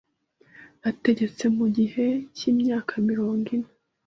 Yategetse mu gihe cy’imyaka mirongo ine